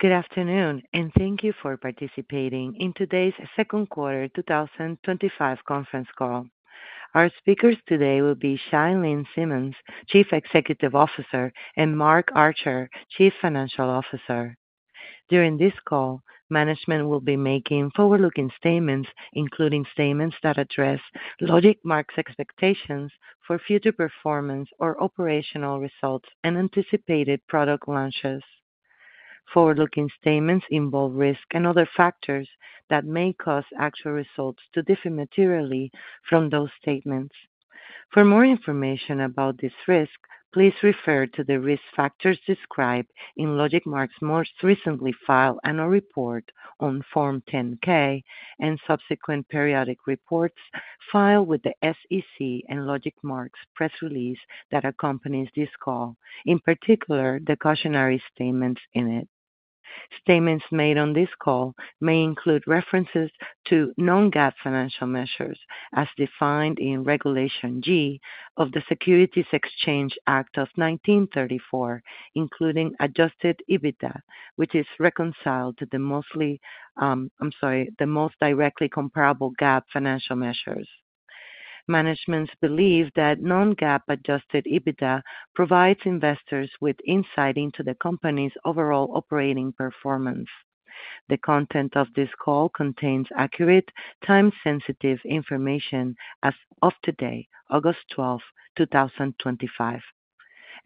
Good afternoon, and thank you for participating in today's Second Quarter 2025 Conference Call. Our speakers today will be Chia-Lin Simmons, Chief Executive Officer, and Mark Archer, Chief Financial Officer. During this call, management will be making forward-looking statements, including statements that address LogicMark's expectations for future performance or operational results and anticipated product launches. Forward-looking statements involve risks and other factors that may cause actual results to differ materially from those statements. For more information about this risk, please refer to the risk factors described in LogicMark's most recently filed annual report on Form 10-K and subsequent periodic reports filed with the SEC and LogicMark's press release that accompanies this call, in particular the cautionary statements in it. Statements made on this call may include references to non-GAAP financial measures as defined in Regulation G of the Securities Exchange Act of 1934, including adjusted EBITDA, which is reconciled to the most directly comparable GAAP financial measures. Management believes that non-GAAP adjusted EBITDA provides investors with insight into the company's overall operating performance. The content of this call contains accurate, time-sensitive information as of today, August 12, 2025.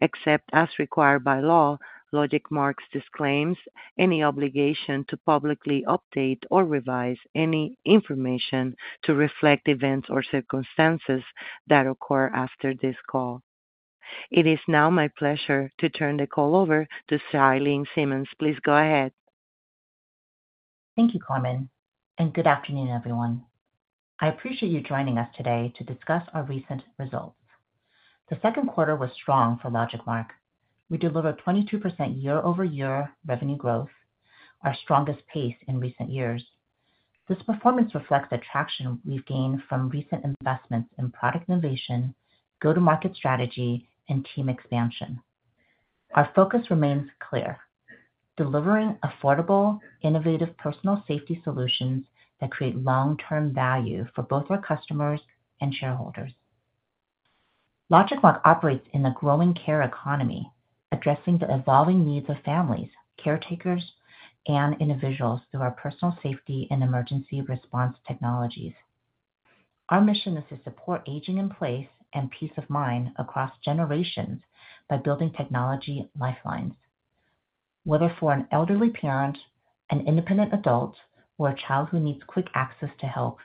Except as required by law, LogicMark disclaims any obligation to publicly update or revise any information to reflect events or circumstances that occur after this call. It is now my pleasure to turn the call over to Chia-Lin Simmons. Please go ahead. Thank you, Carmen, and good afternoon, everyone. I appreciate you joining us today to discuss our recent results. The second quarter was strong for LogicMark. We delivered 22% year-over-year revenue growth, our strongest pace in recent years. This performance reflects the traction we've gained from recent investments in product innovation, go-to-market strategy, and team expansion. Our focus remains clear: delivering affordable, innovative personal safety solutions that create long-term value for both our customers and shareholders. LogicMark operates in a growing care economy, addressing the evolving needs of families, caretakers, and individuals through our personal safety and emergency response technologies. Our mission is to support aging in place and peace of mind across generations by building technology lifelines, whether for an elderly parent, an independent adult, or a child who needs quick access to help.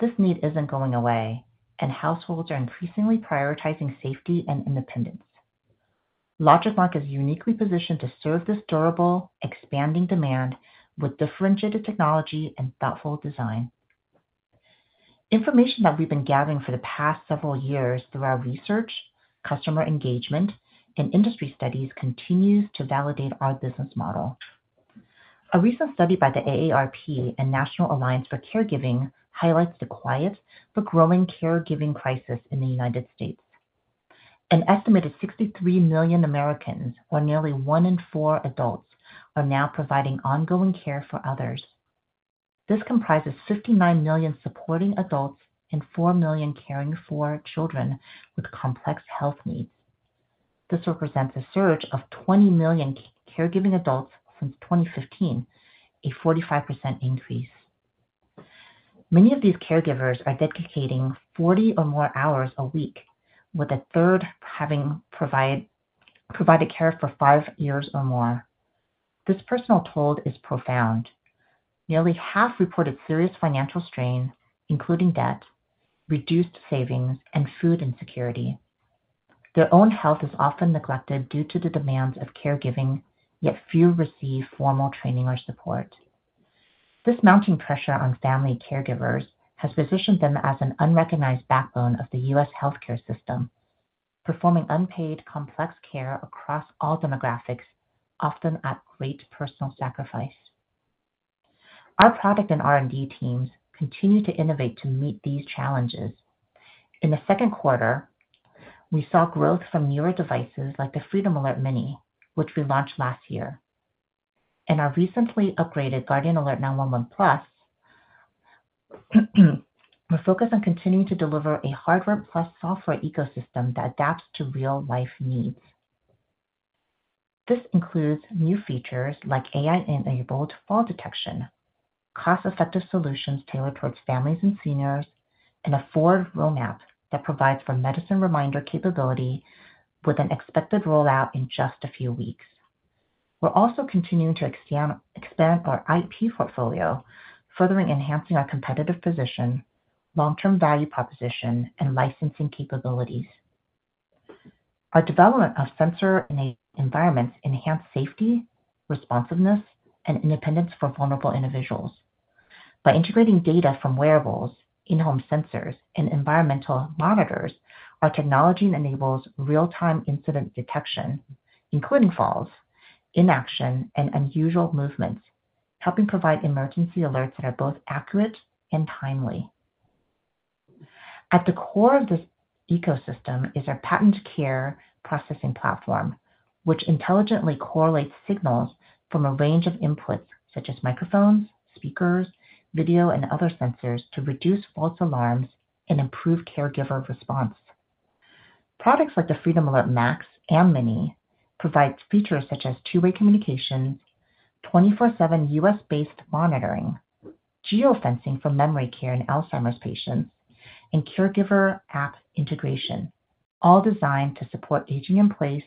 This need isn't going away, and households are increasingly prioritizing safety and independence. LogicMark is uniquely positioned to serve this durable, expanding demand with differentiated technology and thoughtful design. Information that we've been gathering for the past several years through our research, customer engagement, and industry studies continues to validate our business model. A recent study by the AARP and National Alliance for Caregiving highlights the quiet but growing caregiving crisis in the United States. An estimated 63 million Americans, or nearly one in four adults, are now providing ongoing care for others. This comprises 59 million supporting adults and 4 million caring for children with complex health needs. This represents a surge of 20 million caregiving adults since 2015, a 45% increase. Many of these caregivers are dedicating 40 or more hours a week, with a third having provided care for five years or more. This personal toll is profound. Nearly half reported serious financial strain, including debt, reduced savings, and food insecurity. Their own health is often neglected due to the demands of caregiving, yet few receive formal training or support. This mounting pressure on family caregivers has positioned them as an unrecognized backbone of the U.S. healthcare system, performing unpaid complex care across all demographics, often at great personal sacrifice. Our product and R&D teams continue to innovate to meet these challenges. In the second quarter, we saw growth from newer devices like the Freedom Alert Mini, which we launched last year, and our recently upgraded Guardian Alert 911 Plus. We focus on continuing to deliver a hardware-plus-software ecosystem that adapts to real-life needs. This includes new features like AI-enabled fall detection, cost-effective solutions tailored towards families and seniors, and a forward roadmap that provides for medicine reminder capability, with an expected rollout in just a few weeks. We're also continuing to expand our IP portfolio, further enhancing our competitive position, long-term value proposition, and licensing capabilities. Our development of sensor-enabled environments enhances safety, responsiveness, and independence for vulnerable individuals. By integrating data from wearables, in-home sensors, and environmental monitors, our technology enables real-time incident detection, including falls, inaction, and unusual movements, helping provide emergency alerts that are both accurate and timely. At the core of this ecosystem is our patented care processing platform, which intelligently correlates signals from a range of inputs such as microphones, speakers, video, and other sensors to reduce false alarms and improve caregiver response. Products like the Freedom Alert Max and Mini provide features such as two-way communication, 24/7 U.S.-based monitoring, geofencing for memory care in Alzheimer's patients, and caregiver app integration, all designed to support aging in place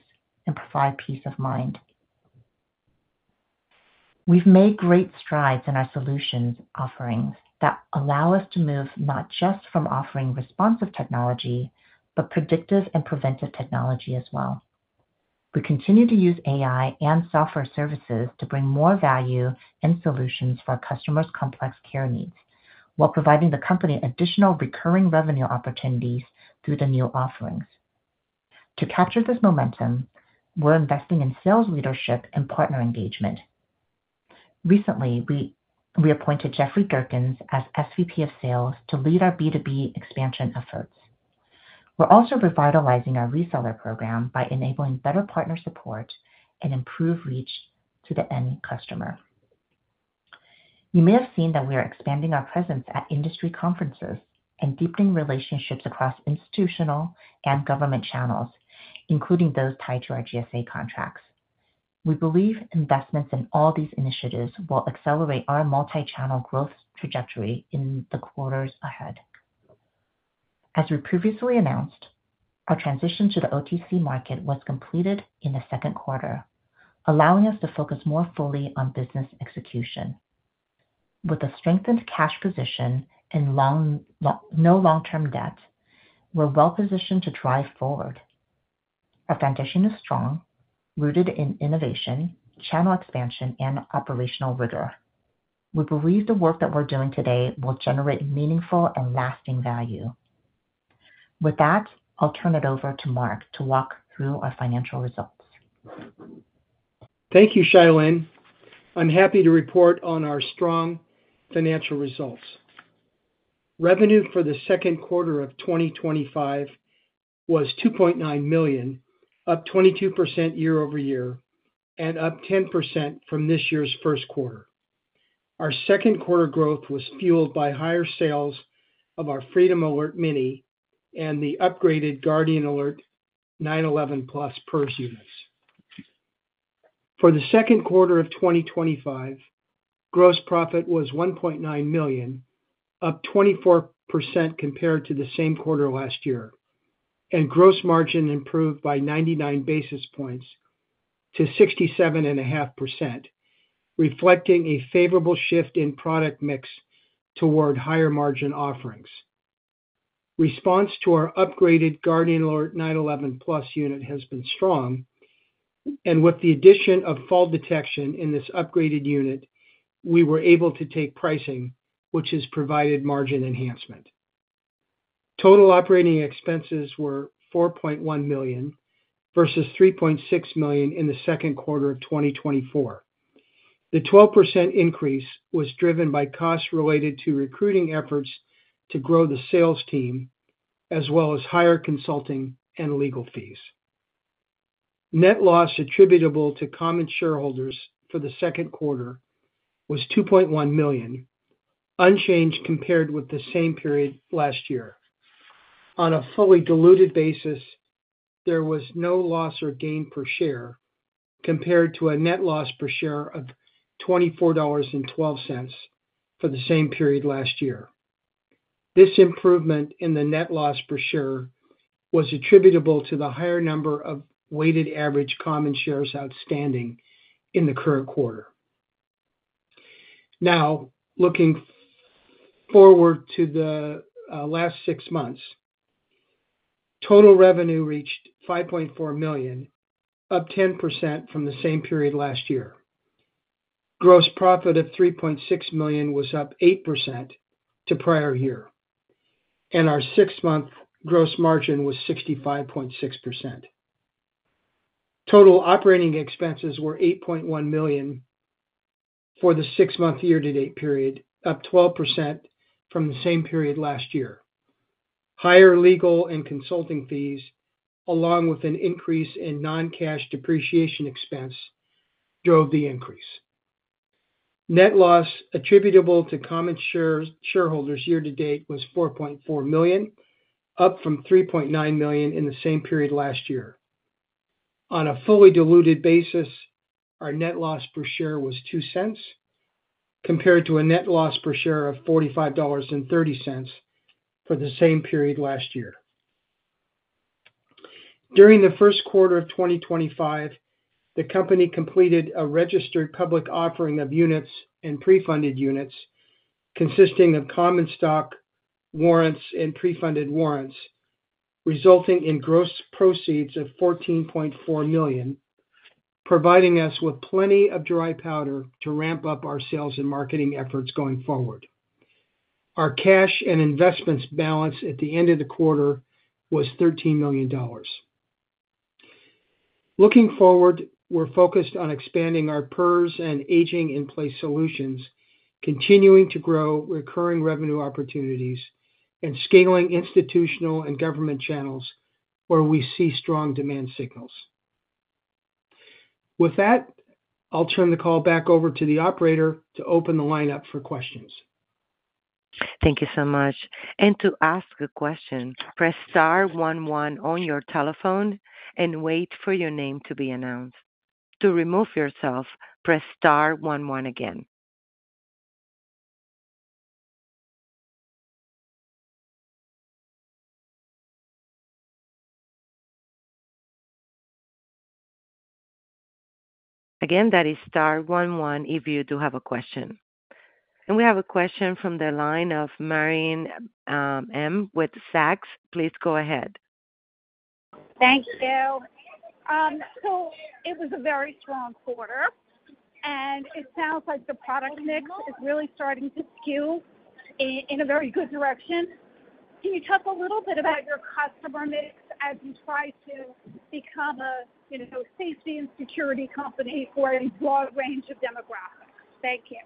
and provide peace of mind. We've made great strides in our solutions offerings that allow us to move not just from offering responsive technology but predictive and preventive technology as well. We continue to use AI and software services to bring more value and solutions for our customers' complex care needs, while providing the company additional recurring revenue opportunities through the new offerings. To capture this momentum, we're investing in sales leadership and partner engagement. Recently, we reappointed Jeffrey Durkin as SVP of Sales to lead our B2B expansion efforts. We're also revitalizing our reseller program by enabling better partner support and improved reach to the end customer. You may have seen that we are expanding our presence at industry conferences and deepening relationships across institutional and government channels, including those tied to our GSA contracts. We believe investments in all these initiatives will accelerate our multi-channel growth trajectory in the quarters ahead. As we previously announced, our transition to the OTC market was completed in the second quarter, allowing us to focus more fully on business execution. With a strengthened cash position and no long-term debt, we're well positioned to drive forward. Our foundation is strong, rooted in innovation, channel expansion, and operational rigor. We believe the work that we're doing today will generate meaningful and lasting value. With that, I'll turn it over to Mark to walk through our financial results. Thank you, Chia-Lin. I'm happy to report on our strong financial results. Revenue for the second quarter of 2025 was $2.9 million, up 22% year-over-year and up 10% from this year's first quarter. Our second quarter growth was fueled by higher sales of our Freedom Alert Mini and the upgraded Guardian Alert 911 Plus PERS units. For the second quarter of 2025, gross profit was $1.9 million, up 24% compared to the same quarter last year, and gross margin improved by 99 basis points to 67.5%, reflecting a favorable shift in product mix toward higher margin offerings. Response to our upgraded Guardian Alert 911 Plus unit has been strong, and with the addition of fall detection in this upgraded unit, we were able to take pricing, which has provided margin enhancement. Total operating expenses were $4.1 million versus $3.6 million in the second quarter of 2024. The 12% increase was driven by costs related to recruiting efforts to grow the sales team, as well as higher consulting and legal fees. Net loss attributable to common shareholders for the second quarter was $2.1 million, unchanged compared with the same period last year. On a fully diluted basis, there was no loss or gain per share compared to a net loss per share of $24.12 for the same period last year. This improvement in the net loss per share was attributable to the higher number of weighted average common shares outstanding in the current quarter. Now, looking forward to the last six months, total revenue reached $5.4 million, up 10% from the same period last year. Gross profit of $3.6 million was up 8% to prior year, and our six-month gross margin was 65.6%. Total operating expenses were $8.1 million for the six-month year-to-date period, up 12% from the same period last year. Higher legal and consulting fees, along with an increase in non-cash depreciation expense, drove the increase. Net loss attributable to common shareholders year-to-date was $4.4 million, up from $3.9 million in the same period last year. On a fully diluted basis, our net loss per share was $0.02 compared to a net loss per share of $45.30 for the same period last year. During the first quarter of 2025, the company completed a registered public offering of units and pre-funded units consisting of common stock warrants and pre-funded warrants, resulting in gross proceeds of $14.4 million, providing us with plenty of dry powder to ramp up our sales and marketing efforts going forward. Our cash and investments balance at the end of the quarter was $13 million. Looking forward, we're focused on expanding our PERS and aging-in-place solutions, continuing to grow recurring revenue opportunities, and scaling institutional and government channels where we see strong demand signals. With that, I'll turn the call back over to the operator to open the line up for questions. Thank you so much. To ask a question, pressstar one one on your telephone and wait for your name to be announced. To remove yourself, press star one one again. That is star one one if you do have a question. We have a question from the line of Marin, M. with Zacks. Please go ahead. Thank you. It was a very strong quarter, and it sounds like the product mix is really starting to skew in a very good direction. Can you talk a little bit about your customer mix as you try to become a safety and security company for a broad range of demographics? Thank you.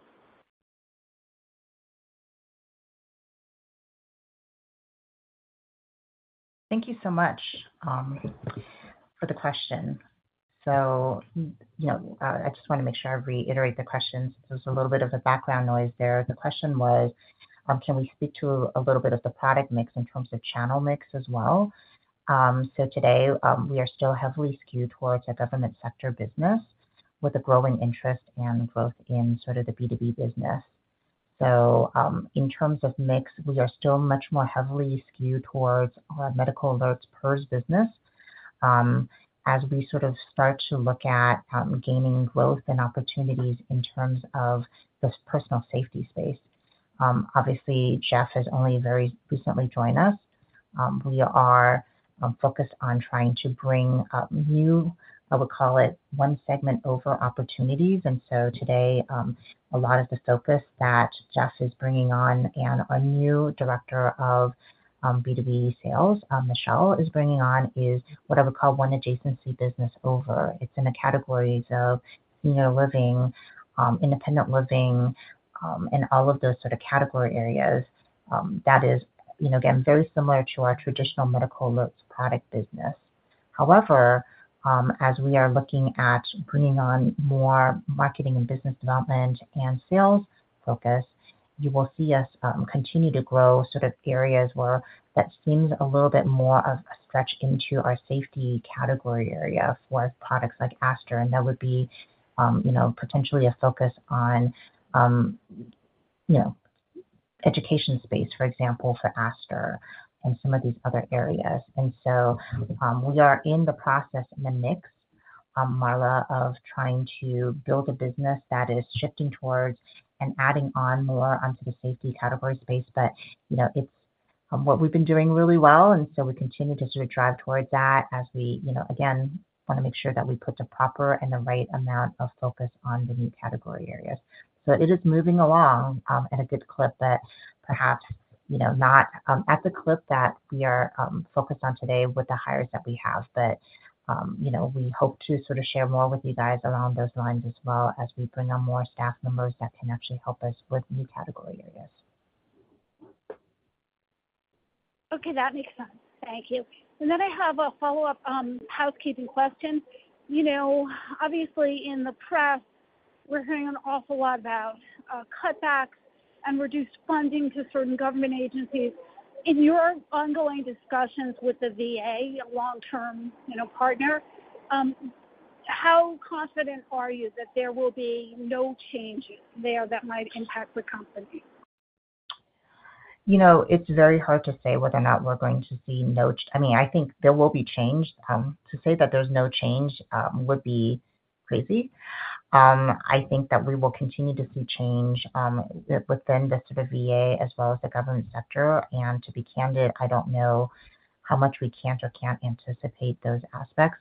Thank you so much for the question. I just want to make sure I reiterate the questions. There was a little bit of background noise there. The question was, can we speak to a little bit of the product mix in terms of channel mix as well? Today, we are still heavily skewed towards a government sector business with a growing interest and growth in the B2B business. In terms of mix, we are still much more heavily skewed towards our Medical Alerts PERS business as we start to look at gaining growth and opportunities in the personal safety space. Obviously, Jeff has only very recently joined us. We are focused on trying to bring up new, I would call it one segment over opportunities. Today, a lot of the focus that Jeff is bringing on and our new Director of B2B Sales, Michelle, is bringing on is what I would call one adjacency business over. It's in the categories of senior living, independent living, and all of those category areas. That is, again, very similar to our traditional medical alerts product business. However, as we are looking at bringing on more marketing and business development and sales focus, you will see us continue to grow areas where that seems a little bit more of a stretch into our safety category area for products like Aster. That would be potentially a focus on education space, for example, for Aster and some of these other areas. We are in the process, in the mix, Marla, of trying to build a business that is shifting towards and adding on more onto the safety category space. It's what we've been doing really well. We continue to drive towards that as we want to make sure that we put the proper and the right amount of focus on the new category areas. It is moving along at a good clip, perhaps not at the clip that we are focused on today with the hires that we have. We hope to share more with you guys along those lines as we bring on more staff members that can actually help us with new category areas. Okay, that makes sense. Thank you. I have a follow-up housekeeping question. Obviously, in the press, we're hearing an awful lot about cutbacks and reduced funding to certain government agencies. In your ongoing discussions with the VA, a long-term partner, how confident are you that there will be no change there that might impact the company? It's very hard to say whether or not we're going to see no. I mean, I think there will be change. To say that there's no change would be crazy. I think that we will continue to see change with them, just to the VA as well as the government sector. To be candid, I don't know how much we can't or can't anticipate those aspects.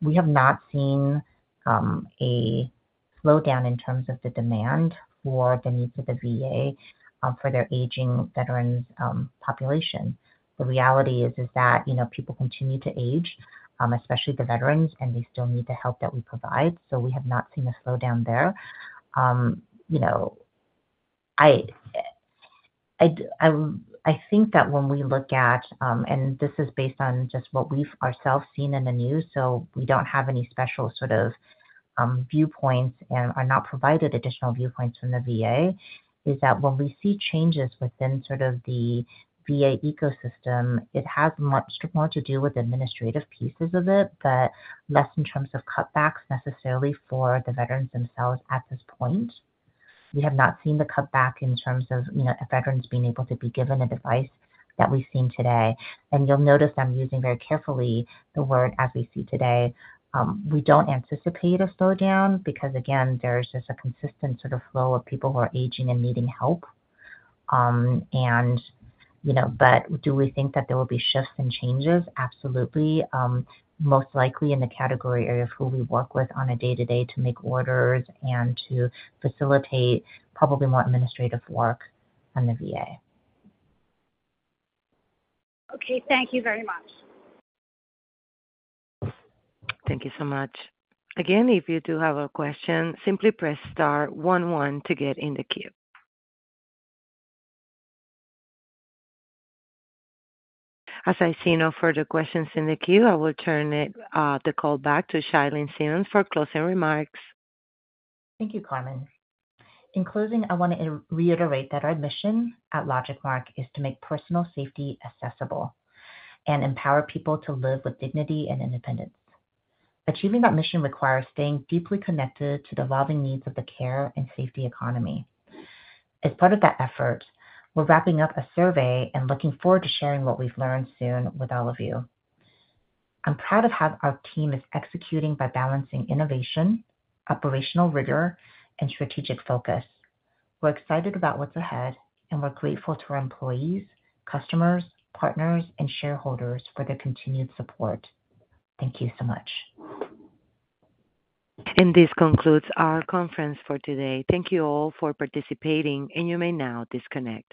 We have not seen a slowdown in terms of the demand or the need for the VA for their aging veterans' population. The reality is that people continue to age, especially the veterans, and they still need the help that we provide. We have not seen a slowdown there. I think that when we look at, and this is based on just what we've ourselves seen in the news, we don't have any special sort of viewpoints and are not provided additional viewpoints from the VA, when we see changes within the VA ecosystem, it has much more to do with administrative pieces of it, but less in terms of cutbacks necessarily for the veterans themselves at this point. We have not seen the cutback in terms of veterans being able to be given a device that we've seen today. You'll notice I'm using very carefully the word "as we see today." We don't anticipate a slowdown because again, there's just a consistent sort of flow of people who are aging and needing help. Do we think that there will be shifts and changes? Absolutely. Most likely in the category area of who we work with on a day-to-day to make orders and to facilitate probably more administrative work in the VA. Okay, thank you very much. Thank you so much. Again, if you do have a question, simply press star one one to get in the queue. As I see no further questions in the queue, I will turn the call back to Chia-Lin Simmons for closing remarks. Thank you, Carmen. In closing, I want to reiterate that our mission at LogicMark is to make personal safety accessible and empower people to live with dignity and independence. Achieving that mission requires staying deeply connected to the evolving needs of the care and safety economy. As part of that effort, we're wrapping up a survey and looking forward to sharing what we've learned soon with all of you. I'm proud of how our team is executing by balancing innovation, operational rigor, and strategic focus. We're excited about what's ahead, and we're grateful to our employees, customers, partners, and shareholders for their continued support. Thank you so much. This concludes our conference for today. Thank you all for participating, and you may now disconnect.